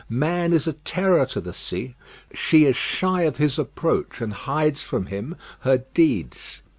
Man is a terror to the sea; she is shy of his approach, and hides from him her deeds.